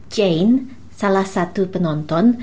jane salah satu penonton